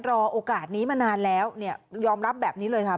โอกาสนี้มานานแล้วเนี่ยยอมรับแบบนี้เลยค่ะ